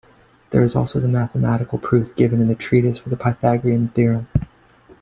There is also the mathematical proof given in the treatise for the Pythagorean theorem.